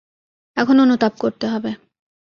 এখন অনুতাপ করতে হবে।